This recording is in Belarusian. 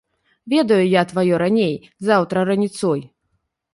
Ведаю я тваё раней, заўтра раніцой.